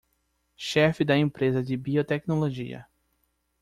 Chefe da empresa de biotecnologia